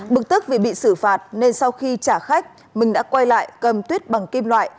bực tức vì bị xử phạt nên sau khi trả khách mừng đã quay lại cầm tuyết bằng kim loại